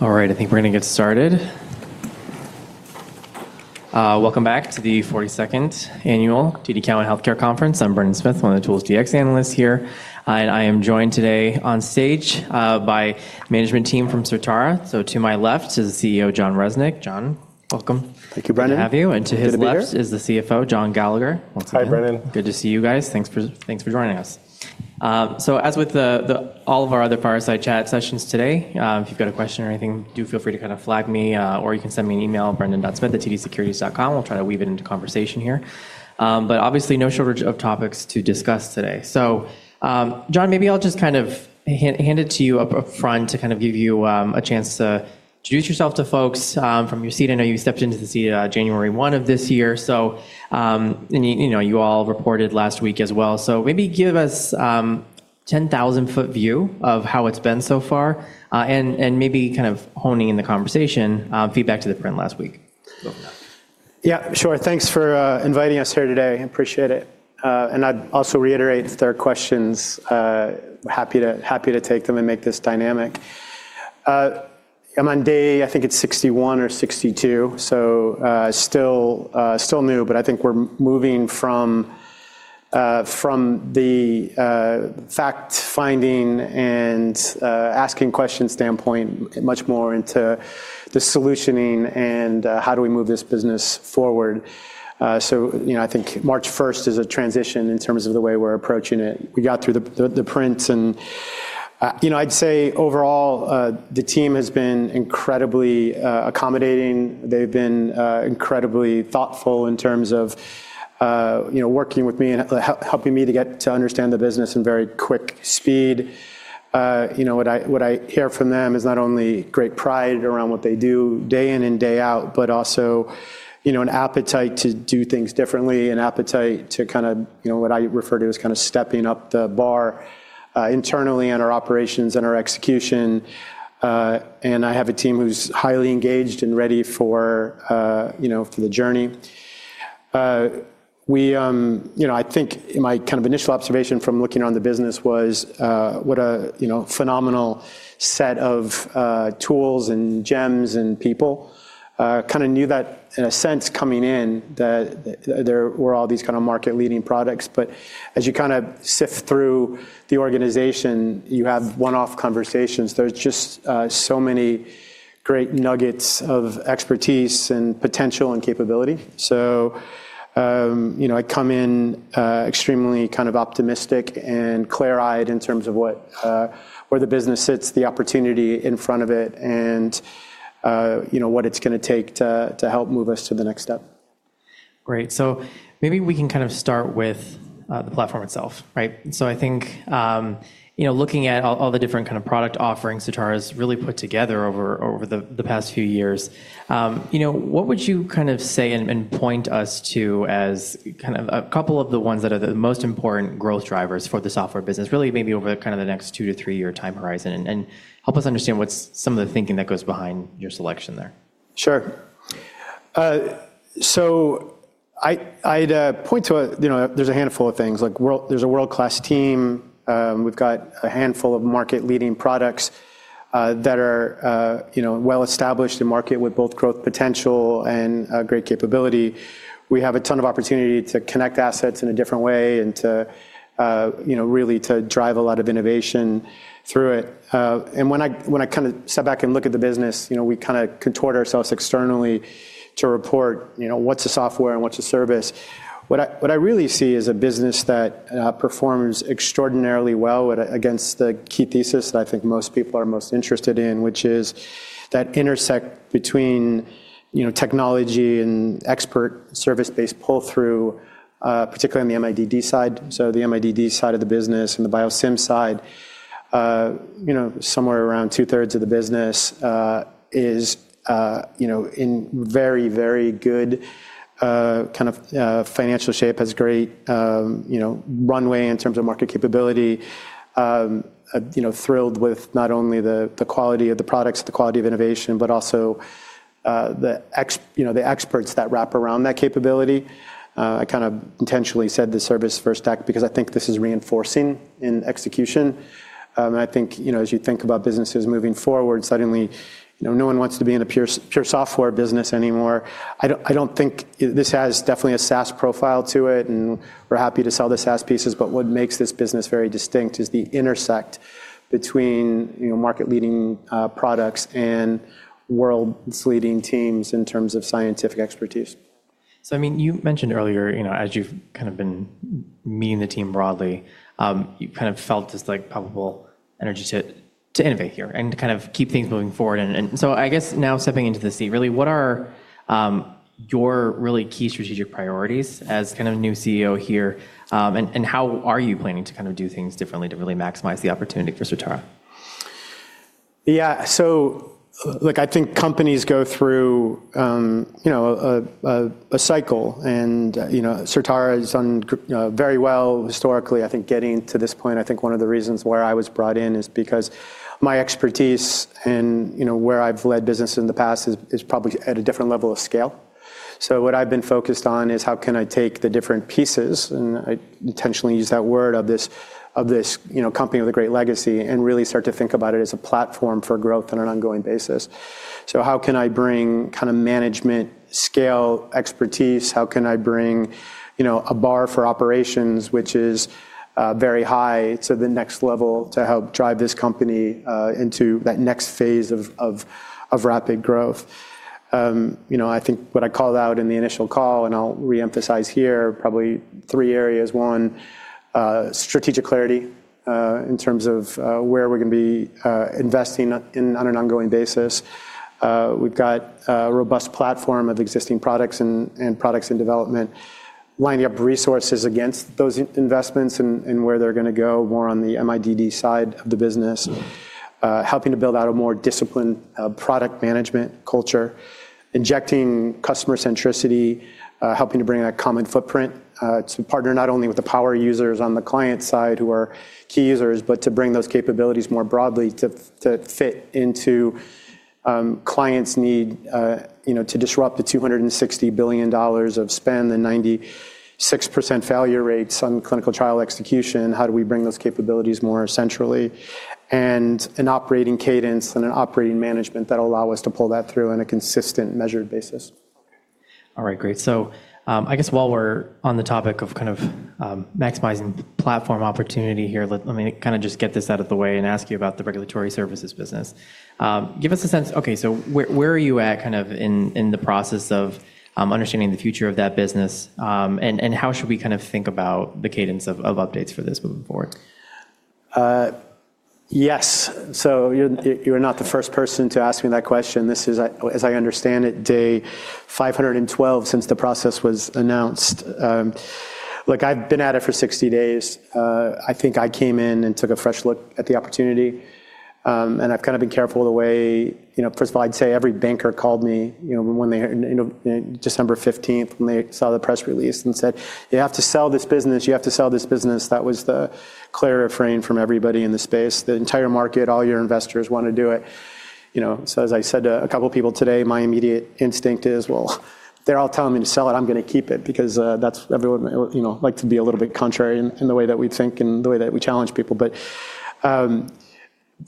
All right, I think we're gonna get started. Welcome back to the 40 second annual TD Cowen Health Care Conference. I'm Brendan Smith, one of the tools DX analysts here. I am joined today on stage, by management team from Certara. To my left is the CEO, Jon Resnick. Jon, welcome. Thank you, Brendan. Good to have you. Good to be here. To his left is the CFO, John Gallagher. Welcome. Hi, Brendan. Good to see you guys. Thanks for joining us. As with all of our other fireside chat sessions today, if you've got a question or anything, do feel free to kinda flag me, or you can send me an email, brendan.smith@tdsecurities.com. We'll try to weave it into conversation here. Obviously, no shortage of topics to discuss today. Jon, maybe I'll just kind of hand it to you up front to kind of give you a chance to introduce yourself to folks from your seat. I know you stepped into the seat, January 1 of this year, and you know, you all reported last week as well. Maybe give us a 10,000-foot view of how it's been so far, and maybe kind of honing in the conversation, feedback to the print last week. Yeah, sure. Thanks for inviting us here today. Appreciate it. I'd also reiterate if there are questions, happy to take them and make this dynamic. I'm on day, I think it's 61 or 62, so still new, but I think we're moving from the fact-finding and asking questions standpoint much more into the solutioning and how do we move this business forward. You know, I think March first is a transition in terms of the way we're approaching it. We got through the prints and, you know, I'd say overall, the team has been incredibly accommodating. They've been incredibly thoughtful in terms of, you know, working with me and helping me to get to understand the business in very quick speed. You know, what I, what I hear from them is not only great pride around what they do day in and day out, but also, you know, an appetite to do things differently, an appetite to kinda, you know, what I refer to as kinda stepping up the bar internally in our operations and our execution. I have a team who's highly engaged and ready for, you know, for the journey. We, You know, I think my kind of initial observation from looking around the business was, what a, you know, phenomenal set of, tools and gems and people. Kinda knew that in a sense coming in that there were all these kinda market-leading products. As you kinda sift through the organization, you have one-off conversations. There's just so many great nuggets of expertise and potential and capability. you know, I come in, extremely kind of optimistic and clear-eyed in terms of what, where the business sits, the opportunity in front of it, and, you know, what it's gonna take to help move us to the next step. Great. Maybe we can kind of start with the platform itself, right? I think, you know, looking at all the different kind of product offerings Certara's really put together over the past few years, you know, what would you kind of say and point us to as kind of a couple of the ones that are the most important growth drivers for the software business, really maybe over kind of the next two to three-year time horizon? Help us understand what's some of the thinking that goes behind your selection there. Sure. So I'd point to a, you know, there's a handful of things like there's a world-class team. We've got a handful of market-leading products that are, you know, well-established in market with both growth potential and great capability. We have a ton of opportunity to connect assets in a different way and to, you know, really to drive a lot of innovation through it. And when I, when I kinda step back and look at the business, you know, we kinda contort ourselves externally to report, you know, what's the software and what's the service. What I really see is a business that performs extraordinarily well against the key thesis that I think most people are most interested in, which is that intersect between, you know, technology and expert service-based pull-through, particularly in the MIDD side. The MIDD side of the business and the Biosimulation side, you know, somewhere around two-thirds of the business is, you know, in very, very good kind of financial shape, has great, you know, runway in terms of market capability. You know, thrilled with not only the quality of the products, the quality of innovation, but also, you know, the experts that wrap around that capability. I kind of intentionally said the service first act because I think this is reinforcing in execution. I think, you know, as you think about businesses moving forward, suddenly, you know, no one wants to be in a pure software business anymore. I don't think this has definitely a SaaS profile to it, and we're happy to sell the SaaS pieces, but what makes this business very distinct is the intersect between, you know, market-leading products and world's leading teams in terms of scientific expertise. I mean, you mentioned earlier, you know, as you've kind of been meeting the team broadly, you kind of felt this, like, palpable energy to innovate here and to kind of keep things moving forward. And, and so I guess now stepping into the seat, really, what are your really key strategic priorities as kind of new CEO here? And, and how are you planning to kind of do things differently to really maximize the opportunity for Certara? Yeah. Look, I think companies go through, you know, a cycle and, you know, Certara has done very well historically. I think getting to this point, I think one of the reasons why I was brought in is because my expertise and, you know, where I've led business in the past is probably at a different level of scale. What I've been focused on is how can I take the different pieces, and I intentionally use that word, of this, of this, you know, company with a great legacy and really start to think about it as a platform for growth on an ongoing basis. How can I bring kind of management scale expertise? How can I bring, you know, a bar for operations which is, very high to the next level to help drive this company, into that next phase of rapid growth? You know, I think what I called out in the initial call, and I'll re-emphasize here, probably three areas. One, strategic clarity, in terms of where we're gonna be investing on an ongoing basis. We've got a robust platform of existing products and products in development lining up resources against those investments and where they're gonna go, more on the MIDD side of the business. Helping to build out a more disciplined, product management culture. Injecting customer centricity, helping to bring a common footprint, to partner not only with the power users on the client side who are key users, but to bring those capabilities more broadly to fit into, clients' need, you know, to disrupt the $260 billion of spend and 96% failure rates on clinical trial execution. How do we bring those capabilities more centrally? An operating cadence and an operating management that'll allow us to pull that through on a consistent, measured basis. All right. Great. I guess while we're on the topic of kind of maximizing platform opportunity here, let me kind of just get this out of the way and ask you about the Regulatory services business. Give us a sense. Okay, so where are you at kind of in the process of understanding the future of that business? How should we kind of think about the cadence of updates for this moving forward? Yes. You're, you're not the first person to ask me that question. This is, as I understand it, day 512 since the process was announced. Look, I've been at it for 60 days. I think I came in and took a fresh look at the opportunity, and I've kinda been careful of the way... You know, first of all, I'd say every banker called me, you know, when they heard, you know, December 15th when they saw the press release and said, "You have to sell this business. You have to sell this business." That was the clear refrain from everybody in the space, the entire market. All your investors wanna do it, you know. As I said to two people today, my immediate instinct is, well, they're all telling me to sell it, I'm gonna keep it, because everyone, you know, like to be a little bit contrary in the way that we think and the way that we challenge people.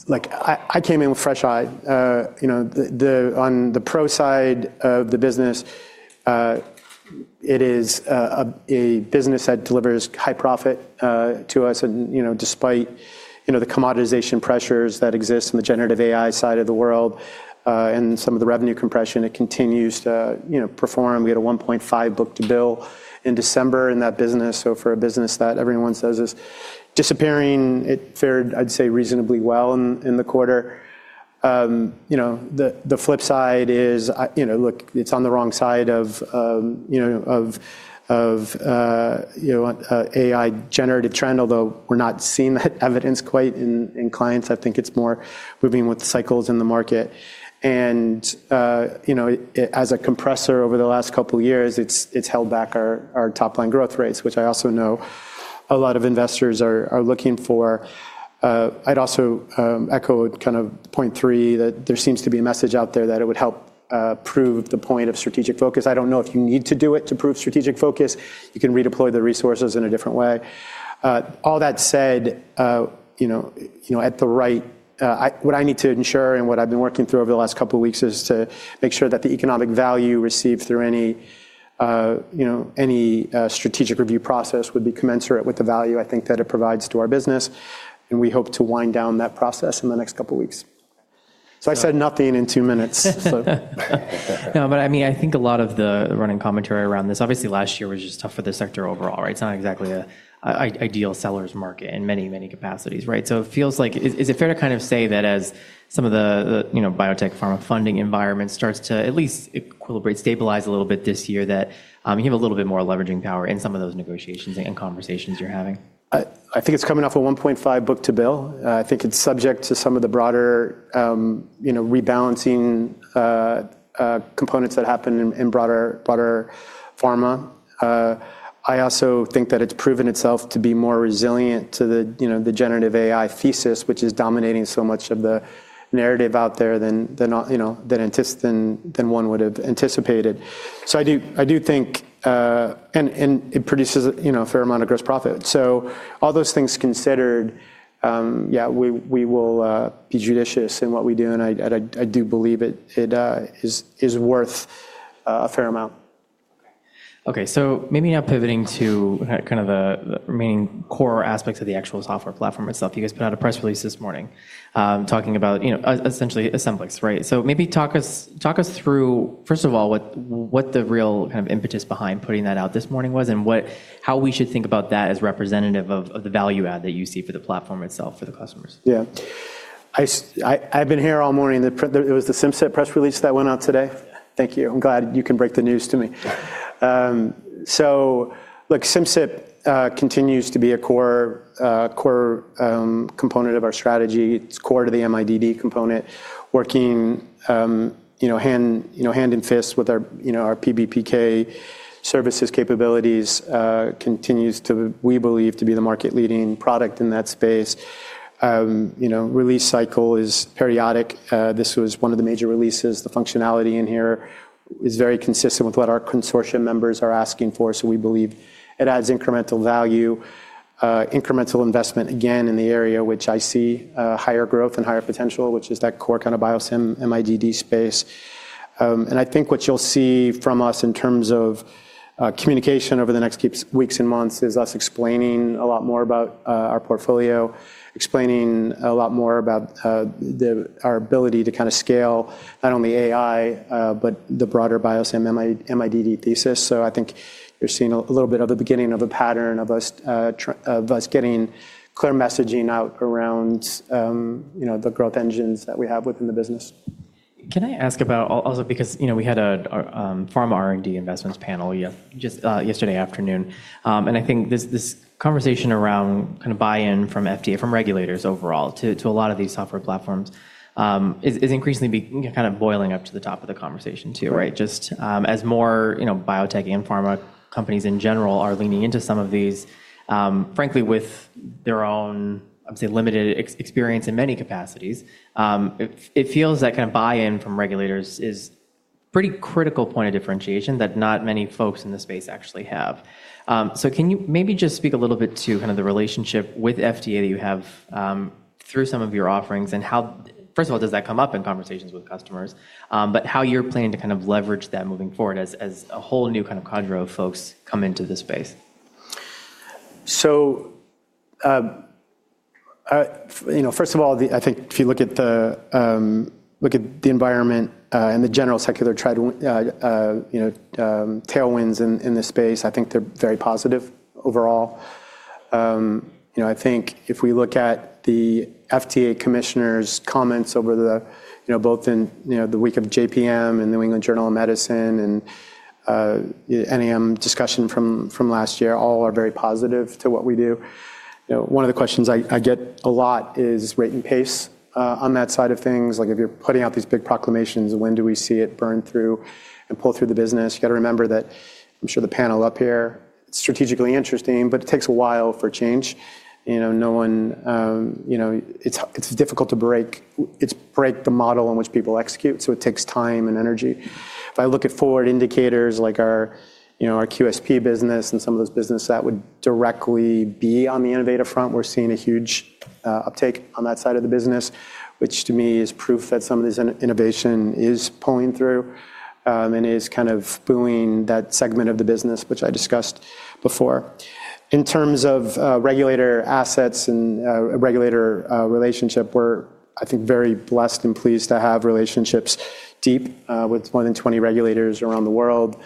Like I came in with fresh eyes. You know, on the pro side of the business, it is a business that delivers high profit to us and, you know, despite, you know, the commoditization pressures that exist in the generative AI side of the world, and some of the revenue compression, it continues to, you know, perform. We had a 1.5 book-to-bill in December in that business. For a business that everyone says is disappearing, it fared, I'd say, reasonably well in the quarter. You know, the flip side is, you know, look, it's on the wrong side of, you know, of AI generative trend, although we're not seeing that evidence quite in clients. I think it's more moving with the cycles in the market. You know, as a compressor over the last couple years, it's held back our top line growth rates, which I also know a lot of investors are looking for. I'd also echo kind of point 3, that there seems to be a message out there that it would help prove the point of strategic focus. I don't know if you need to do it to prove strategic focus. You can redeploy the resources in a different way. All that said, you know, what I need to ensure and what I've been working through over the last couple weeks is to make sure that the economic value received through any, you know, any strategic review process would be commensurate with the value I think that it provides to our business, and we hope to wind down that process in the next couple weeks. I said nothing in two minutes, so. I mean, I think a lot of the running commentary around this, obviously last year was just tough for the sector overall, right? It's not exactly a ideal seller's market in many, many capacities, right? It feels like. Is it fair to kind of say that as some of the, you know, biotech pharma funding environment starts to at least equilibrate, stabilize a little bit this year, that, you have a little bit more leveraging power in some of those negotiations and conversations you're having? I think it's coming off a 1.5 book-to-bill. I think it's subject to some of the broader, you know, rebalancing components that happen in broader pharma. I also think that it's proven itself to be more resilient to the, you know, the generative AI thesis, which is dominating so much of the narrative out there than, you know, than one would've anticipated. I do think. It produces, you know, a fair amount of gross profit. All those things considered, yeah, we will be judicious in what we do, and I do believe it is worth a fair amount. Maybe now pivoting to kind of the remaining core aspects of the actual software platform itself. You guys put out a press release this morning, talking about, you know, essentially Chemaxon, right? Maybe talk us through, first of all, what the real kind of impetus behind putting that out this morning was and how we should think about that as representative of the value add that you see for the platform itself for the customers? Yeah. I've been here all morning. It was the Simcyp press release that went out today? Yeah. Thank you. I'm glad you can break the news to me. Look, Simcyp continues to be a core component of our strategy. It's core to the MIDD component, working, you know, hand, you know, hand in fist with our, you know, our PBPK services capabilities, continues to be the market-leading product in that space. You know, release cycle is periodic. This was one of the major releases. The functionality in here is very consistent with what our consortium members are asking for, so we believe it adds incremental value, incremental investment, again, in the area which I see higher growth and higher potential, which is that core kind of Biosim MIDD space. I think what you'll see from us in terms of communication over the next weeks and months is us explaining a lot more about our portfolio, explaining a lot more about our ability to kinda scale not only AI, but the broader Biosim MIDD thesis. I think you're seeing a little bit of a beginning of a pattern of us getting clear messaging out around, you know, the growth engines that we have within the business. Can I ask about? Also because, you know, we had a pharma R&D investments panel just yesterday afternoon. I think this conversation around kinda buy-in from FDA, from regulators overall to a lot of these software platforms, is increasingly kind of boiling up to the top of the conversation too, right? Just as more, you know, biotech and pharma companies in general are leaning into some of these, frankly with their own, I would say, limited experience in many capacities, it feels that kinda buy-in from regulators is pretty critical point of differentiation that not many folks in this space actually have. Can you maybe just speak a little bit to kind of the relationship with FDA that you have, through some of your offerings and how. First of all, does that come up in conversations with customers? How you're planning to kind of leverage that moving forward as a whole new kind of cadre of folks come into this space. First of all, you know, I think if you look at the environment and the general secular tailwinds in this space, I think they're very positive overall. You know, I think if we look at the FDA commissioner's comments over the, you know, both in, you know, the week of JPM and The New England Journal of Medicine and NEM discussion from last year, all are very positive to what we do. You know, one of the questions I get a lot is rate and pace on that side of things. Like if you're putting out these big proclamations, when do we see it burn through and pull through the business? You gotta remember that I'm sure the panel up here, it's strategically interesting, but it takes a while for change. You know, no one, you know. It's difficult to break the model in which people execute, so it takes time and energy. If I look at forward indicators like our, you know, our QSP business and some of those business that would directly be on the innovative front, we're seeing a huge uptake on that side of the business, which to me is proof that some of this innovation is pulling through, and is kind of buoying that segment of the business which I discussed before. In terms of regulator assets and regulator relationship, we're, I think, very blessed and pleased to have relationships deep with more than 20 regulators around the world.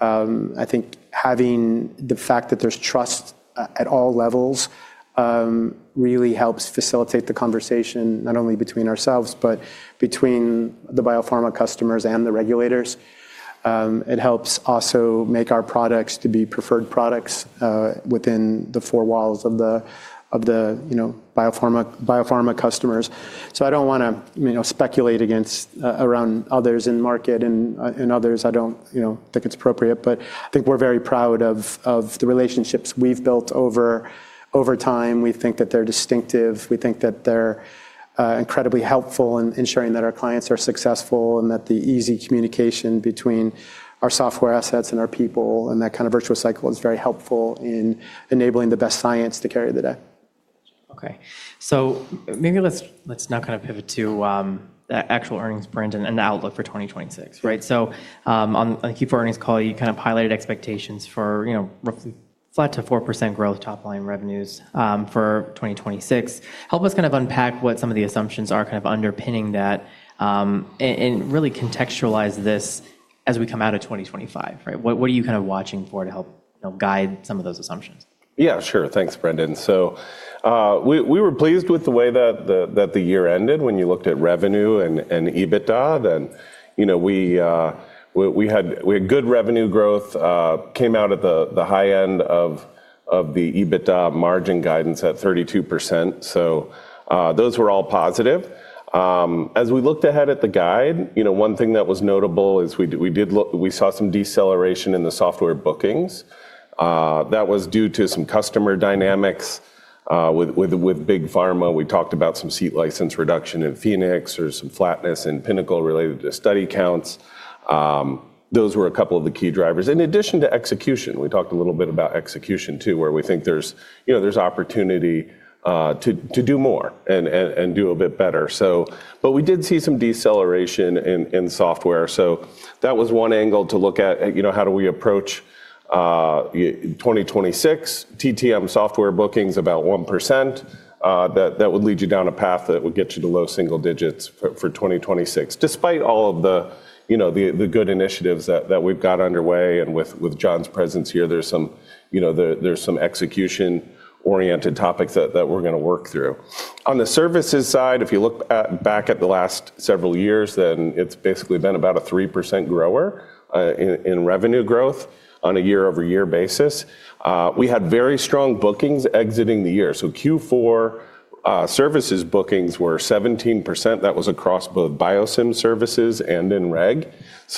I think having the fact that there's trust at all levels really helps facilitate the conversation not only between ourselves, but between the biopharma customers and the regulators. It helps also make our products to be preferred products within the four walls of the, you know, biopharma customers. I don't wanna, you know, speculate against, around others in market and others. I don't, you know, think it's appropriate. I think we're very proud of the relationships we've built over time. We think that they're distinctive. We think that they're incredibly helpful in ensuring that our clients are successful and that the easy communication between our software assets and our people and that kind of virtual cycle is very helpful in enabling the best science to carry the day. Okay. maybe let's now kind of pivot to actual earnings, Brendan, and the outlook for 2026, right? On the Q4 earnings call, you kind of highlighted expectations for, you know, roughly flat to 4% growth top-line revenues for 2026. Help us kind of unpack what some of the assumptions are kind of underpinning that and really contextualize this as we come out of 2025, right? What are you kind of watching for to help, you know, guide some of those assumptions? Yeah, sure. Thanks, Brendan. We were pleased with the way that the year ended when you looked at revenue and EBITDA. you know, we had good revenue growth, came out at the high end of the EBITDA margin guidance at 32%. Those were all positive. As we looked ahead at the guide, you know, one thing that was notable is we saw some deceleration in the software bookings that was due to some customer dynamics with big pharma. We talked about some seat license reduction in Phoenix or some flatness in Pinnacle related to study counts. Those were a couple of the key drivers. In addition to execution, we talked a little bit about execution too, where we think there's, you know, there's opportunity to do more and do a bit better. But we did see some deceleration in software. That was one angle to look at, you know, how do we approach 2026 TTM software bookings about 1%. That would lead you down a path that would get you to low single digits for 2026, despite all of the, you know, the good initiatives that we've got underway and with John's presence here, there's some, you know, there's some execution-oriented topics that we're gonna work through. On the services side, if you look back at the last several years, it's basically been about a 3% grower in revenue growth on a year-over-year basis. We had very strong bookings exiting the year. Q4 services bookings were 17%. That was across both BioSim services and in Reg.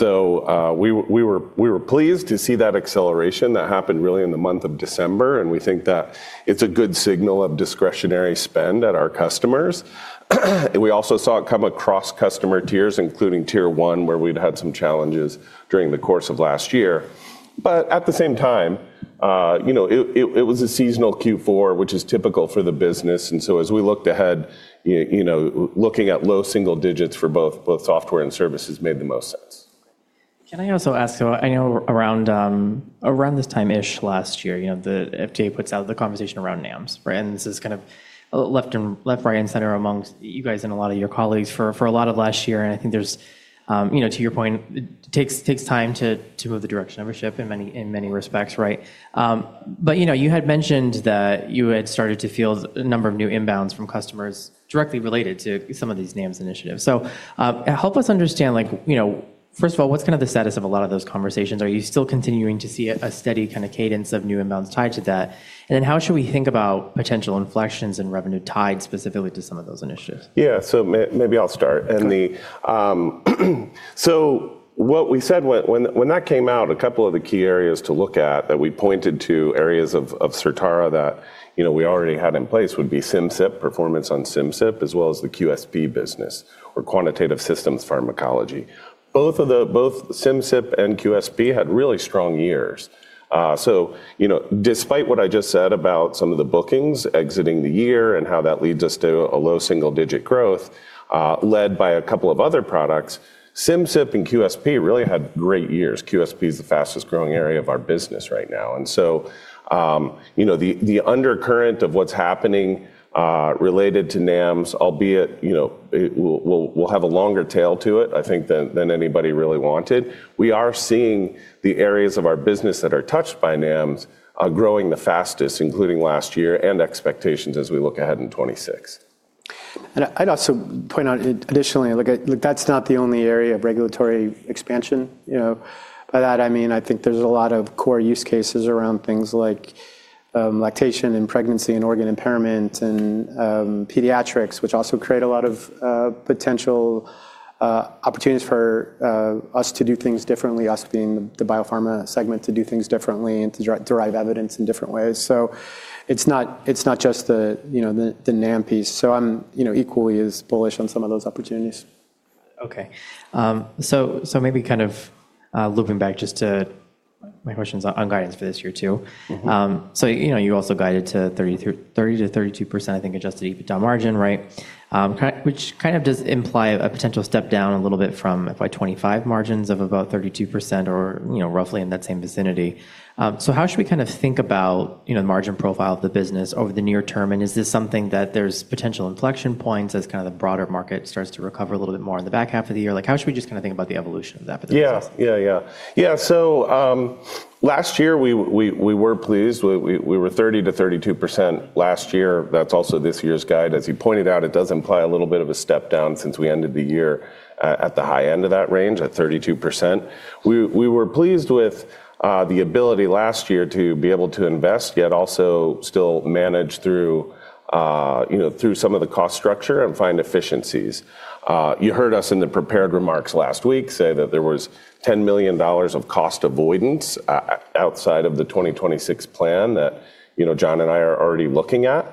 We were pleased to see that acceleration that happened really in the month of December, and we think that it's a good signal of discretionary spend at our customers. We also saw it come across customer Tiers, including Tier one, where we'd had some challenges during the course of last year. At the same time, you know, it was a seasonal Q4, which is typical for the business. As we looked ahead, you know, looking at low single digits for both software and services made the most sense. Can I also ask, I know around this time-ish last year, you know, the FDA puts out the conversation around NAMs, right? This is kind of left, right, and center amongst you guys and a lot of your colleagues for a lot of last year. I think there's, you know, to your point, it takes time to move the direction of a ship in many respects, right? You know, you had mentioned that you had started to feel a number of new inbounds from customers directly related to some of these NAMs initiatives. Help us understand, like, you know, first of all, what's kind of the status of a lot of those conversations? Are you still continuing to see a steady kinda cadence of new inbounds tied to that? How should we think about potential inflections in revenue tied specifically to some of those initiatives? Yeah. Maybe I'll start. Okay. The what we said when that came out, a couple of the key areas to look at that we pointed to areas of Certara that, you know, we already had in place would be Simcyp, performance on Simcyp, as well as the QSP business or quantitative systems pharmacology. Both Simcyp and QSP had really strong years. You know, despite what I just said about some of the bookings exiting the year and how that leads us to a low single-digit growth, led by a couple of other products, Simcyp and QSP really had great years. QSP is the fastest-growing area of our business right now. you know, the undercurrent of what's happening, related to NAMS, albeit, you know, it will have a longer tail to it, I think, than anybody really wanted. We are seeing the areas of our business that are touched by NAMS are growing the fastest, including last year and expectations as we look ahead in 2026. I'd also point out additionally, look, like that's not the only area of regulatory expansion, you know. By that, I mean, I think there's a lot of core use cases around things like, lactation and pregnancy and organ impairment and pediatrics, which also create a lot of potential opportunities for us to do things differently, us being the biopharma segment to do things differently and to derive evidence in different ways. It's not, it's not just the, you know, the NAM piece. I'm, you know, equally as bullish on some of those opportunities. Okay. maybe kind of looping back just to my questions on guidance for this year too. Mm-hmm. you know, you also guided to 30%-32%, I think, adjusted EBITDA margin, right? which kind of does imply a potential step down a little bit from FY 2025 margins of about 32% or, you know, roughly in that same vicinity. How should we kind of think about, you know, the margin profile of the business over the near term? Is this something that there's potential inflection points as kind of the broader market starts to recover a little bit more in the back half of the year? Like, how should we just kinda think about the evolution of that business? Yeah. Yeah, yeah. Last year we were pleased. We were 30% to 32% last year. That's also this year's guide. As you pointed out, it does imply a little bit of a step down since we ended the year at the high end of that range at 32%. We were pleased with the ability last year to be able to invest, yet also still manage through, you know, through some of the cost structure and find efficiencies. You heard us in the prepared remarks last week say that there was $10 million of cost avoidance outside of the 2026 plan that, you know, Jon and I are already looking at.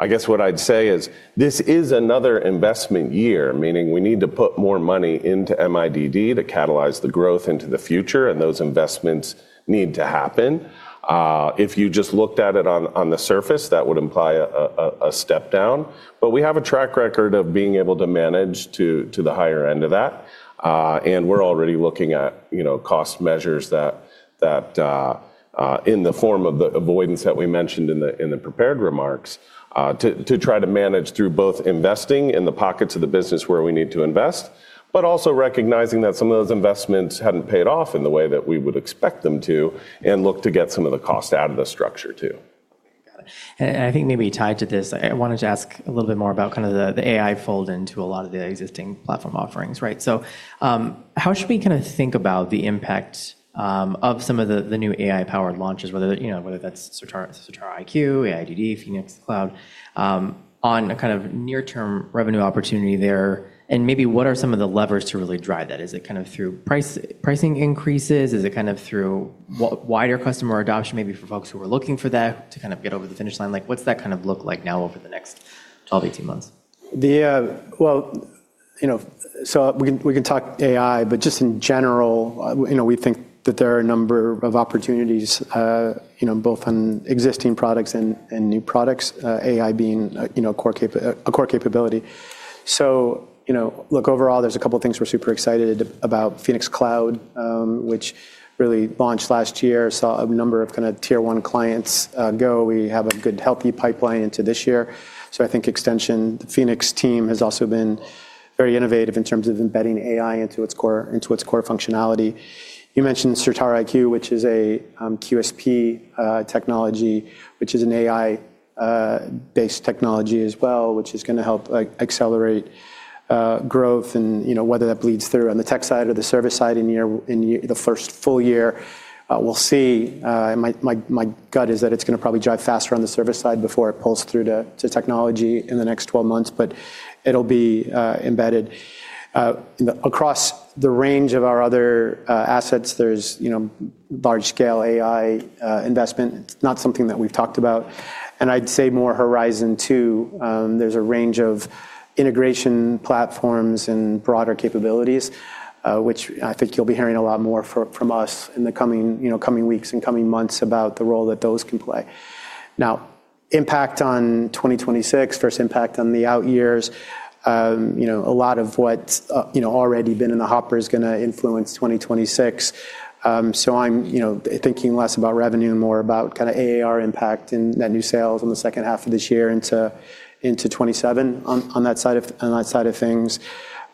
I guess what I'd say is this is another investment year, meaning we need to put more money into MIDD to catalyze the growth into the future, and those investments need to happen. If you just looked at it on the surface, that would imply a step down. We have a track record of being able to manage to the higher end of that. We're already looking at, you know, cost measures that in the form of the avoidance that we mentioned in the, in the prepared remarks, try to manage through both investing in the pockets of the business where we need to invest, but also recognizing that some of those investments hadn't paid off in the way that we would expect them to and look to get some of the cost out of the structure too. Got it. I think maybe tied to this, I wanted to ask a little bit more about kind of the AI fold into a lot of the existing platform offerings, right? How should we kinda think about the impact of some of the new AI-powered launches, whether, you know, whether that's Certara IQ, AIDD, Phoenix Cloud, on a kind of near-term revenue opportunity there? Maybe what are some of the levers to really drive that? Is it kind of through pricing increases? Is it kind of through wider customer adoption maybe for folks who are looking for that to kind of get over the finish line? Like, what's that kind of look like now over the next 12 to 18 months? Well, you know, we can, we can talk AI, but just in general, you know, we think that there are a number of opportunities, you know, both on existing products and new products, AI being, you know, a core capability. You know, look, overall, there's a couple of things we're super excited about Phoenix Cloud, which really launched last year, saw a number of kind of Tier one clients go. We have a good, healthy pipeline into this year. The Phoenix team has also been very innovative in terms of embedding AI into its core, into its core functionality. You mentioned Certara IQ, which is a QSP technology, which is an AI based technology as well, which is gonna help, like, accelerate growth and, you know, whether that bleeds through on the tech side or the service side in the first full year, we'll see. My gut is that it's gonna probably drive faster on the service side before it pulls through to technology in the next 12 months, but it'll be embedded. Across the range of our other assets, there's, you know, large scale AI investment. It's not something that we've talked about, and I'd say more horizon two. There's a range of integration platforms and broader capabilities, which I think you'll be hearing a lot more from us in the coming, you know, coming weeks and coming months about the role that those can play. Impact on 2026, first impact on the out years. You know, a lot of what, you know, already been in the hopper is gonna influence 2026. I'm, you know, thinking less about revenue and more about kinda ARR impact and net new sales on the second half of this year into 2027 on that side of things.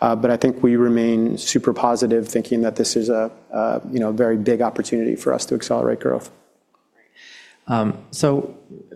I think we remain super positive thinking that this is a, you know, a very big opportunity for us to accelerate growth.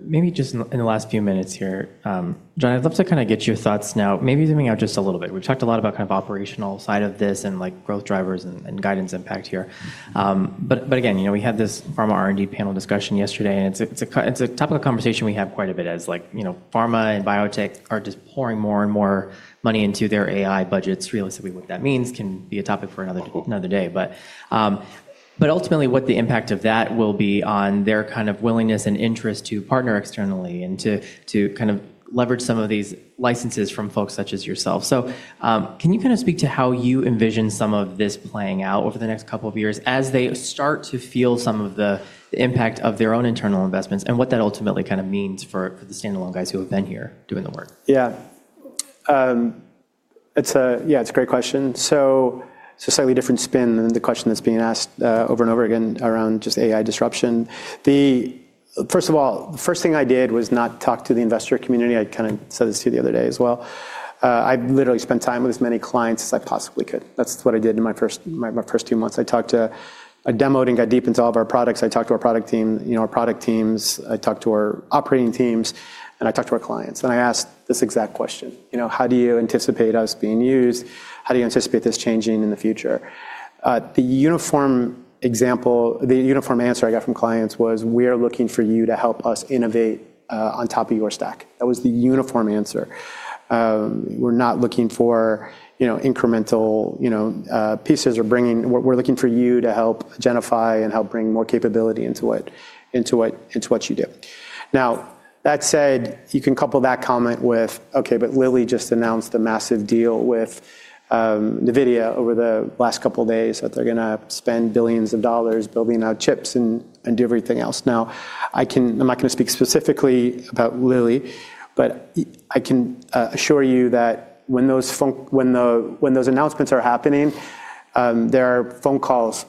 Maybe just in the last few minutes here, Jon, I'd love to kinda get your thoughts now, maybe zooming out just a little bit. We've talked a lot about kind of operational side of this and like growth drivers and guidance impact here. Again, you know, we had this pharma R&D panel discussion yesterday, and it's a topic of conversation we have quite a bit as like, you know, pharma and biotech are just pouring more and more money into their AI budgets. Realistically, what that means can be a topic for another day. Ultimately, what the impact of that will be on their kind of willingness and interest to partner externally and to kind of leverage some of these licenses from folks such as yourself. Can you kinda speak to how you envision some of this playing out over the next couple of years as they start to feel some of the impact of their own internal investments and what that ultimately kinda means for the standalone guys who have been here doing the work? Yeah, it's a great question. It's a slightly different spin than the question that's being asked over and over again around just AI disruption. First of all, the first thing I did was not talk to the investor community. I kinda said this to you the other day as well. I literally spent time with as many clients as I possibly could. That's what I did in my first two months. I demoed and got deep into all of our products. I talked to our product team, you know, our product teams. I talked to our operating teams, and I talked to our clients, and I asked this exact question: "You know, how do you anticipate us being used? How do you anticipate this changing in the future?" The uniform answer I got from clients was, "We're looking for you to help us innovate on top of your stack." That was the uniform answer. "We're not looking for, you know, incremental, you know, pieces or We're looking for you to help identify and help bring more capability into what you do." That said, you can couple that comment with, okay, Lilly just announced a massive deal with NVIDIA over the last couple of days, that they're gonna spend billions of dollars building out chips and do everything else. I'm not gonna speak specifically about Lilly, I can assure you that when those announcements are happening, there are phone calls.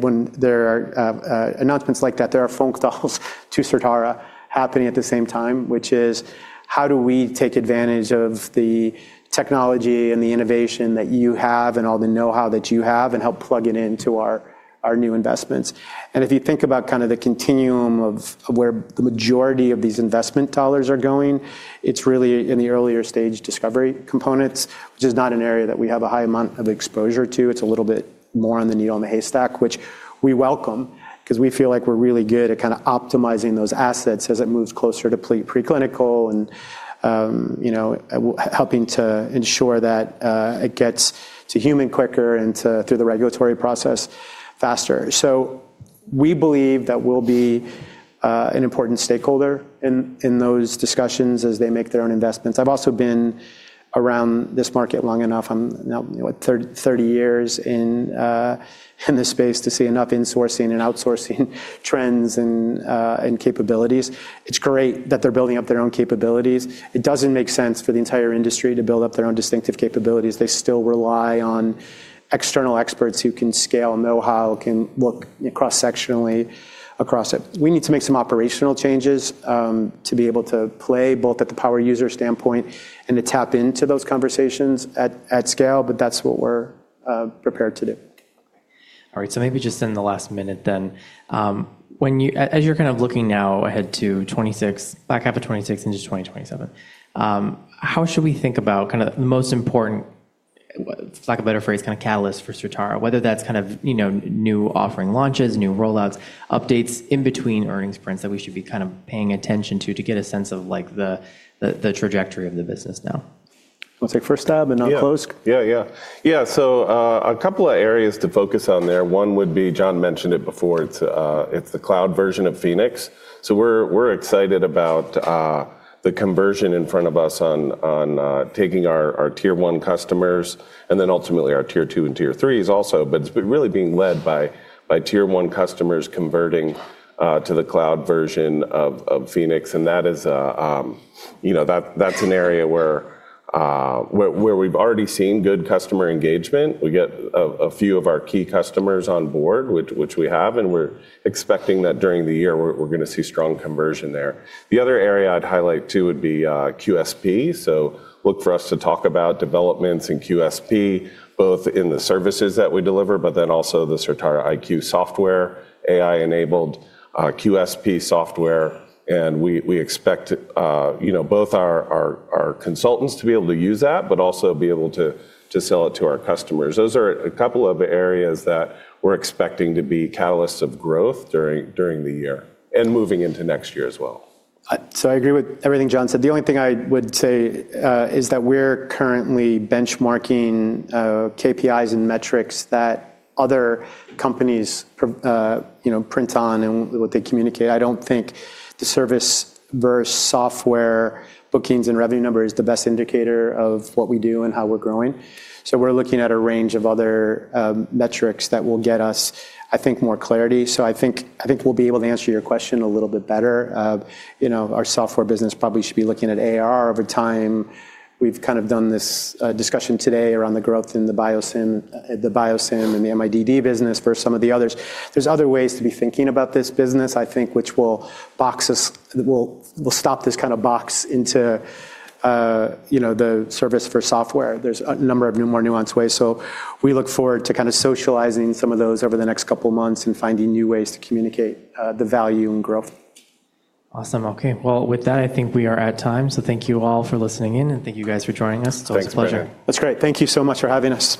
When there are announcements like that, there are phone calls to Certara happening at the same time, which is how do we take advantage of the technology and the innovation that you have and all the know-how that you have and help plug it into our new investments. If you think about kinda the continuum of where the majority of these investment dollars are going, it's really in the earlier stage discovery components, which is not an area that we have a high amount of exposure to. It's a little bit more on the needle in the haystack, which we welcome 'cause we feel like we're really good at kinda optimizing those assets as it moves closer to preclinical and, you know, helping to ensure that it gets to human quicker and through the Regulatory process faster. We believe that we'll be an important stakeholder in those discussions as they make their own investments. I've also been around this market long enough. I'm now 30 years in this space to see enough insourcing and outsourcing trends and capabilities. It's great that they're building up their own capabilities. It doesn't make sense for the entire industry to build up their own distinctive capabilities. They still rely on external experts who can scale know-how, can look cross-sectionally across it. We need to make some operational changes to be able to play both at the power user standpoint and to tap into those conversations at scale, but that's what we're prepared to do. All right, maybe just in the last minute, when as you're kind of looking now ahead to 2026, back half of 2026 into 2027, how should we think about kinda the most important, for lack of a better phrase, kinda catalyst for Certara, whether that's kind of, you know, new offering launches, new rollouts, updates in between earnings prints that we should be kind of paying attention to to get a sense of like the trajectory of the business now? Wanna take first stab and I'll close? Yeah. A couple of areas to focus on there. One would be, Jon mentioned it before, it's the cloud version of Phoenix. We're excited about the conversion in front of us on taking our Tier 1 customers and then ultimately our Tier 2 and Tier 3s also. But it's really being led by Tier 1 customers converting to the cloud version of Phoenix. That is, you know, that's an area where we've already seen good customer engagement. We get a few of our key customers on board, which we have, and we're expecting that during the year we're gonna see strong conversion there. The other area I'd highlight too would be QSP. Look for us to talk about developments in QSP, both in the services that we deliver, but then also the Certara IQ software, AI-enabled QSP software. We expect, you know, both our consultants to be able to use that but also be able to sell it to our customers. Those are a couple of areas that we're expecting to be catalysts of growth during the year and moving into next year as well. I agree with everything John said. The only thing I would say is that we're currently benchmarking KPIs and metrics that other companies you know, print on and what they communicate. I don't think the service versus software bookings and revenue number is the best indicator of what we do and how we're growing. We're looking at a range of other metrics that will get us, I think, more clarity. I think, I think we'll be able to answer your question a little bit better. You know, our software business probably should be looking at ARR over time. We've kind of done this discussion today around the growth in the BioSim, the BioSim and the MIDD business versus some of the others. There's other ways to be thinking about this business, I think, which will stop this kind of box into, you know, the service for software. There's a number of more nuanced ways. We look forward to kinda socializing some of those over the next couple of months and finding new ways to communicate, the value and growth. Awesome. Okay. Well, with that, I think we are at time. Thank you all for listening in, and thank you guys for joining us. Thanks, Brendan. It's always a pleasure. That's great. Thank you so much for having us.